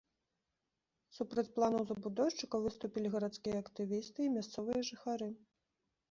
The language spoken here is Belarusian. Супраць планаў забудоўшчыка выступілі гарадскія актывісты і мясцовыя жыхары.